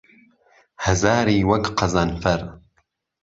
ههزاری وهک قهزنهفهر